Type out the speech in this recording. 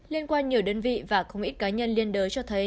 liên quan nhiều đơn vị và không ít cá nhân liên đới cho thấy